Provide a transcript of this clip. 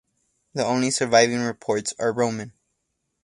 The only surviving reports are Roman.